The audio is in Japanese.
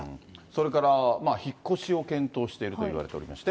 それから引っ越しを検討しているといわれておりまして。